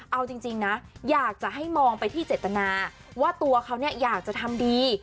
เอาจริงนะอยากจะให้มองไปที่เจตนาว่าตัวเขาเนี่ยอยากจะทำดี